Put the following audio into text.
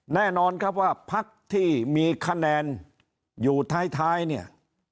แน่นอนครับว่าพักที่มีคะแนนอยู่ท้ายเนี่ย